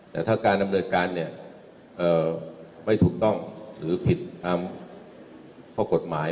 แต่ถ้าการดำเนินการเนี่ยไม่ถูกต้องหรือผิดตามข้อกฎหมาย